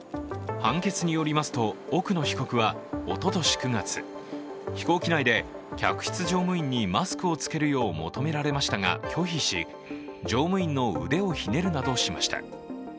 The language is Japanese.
判決によりますと、奥野被告はおととし９月飛行機内で客室乗務員にマスクを着けるよう求められましたが拒否し、乗務員の腕をひねるなどしました。